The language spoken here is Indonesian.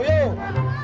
jangan jangan jangan